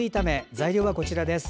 材料はこちらです。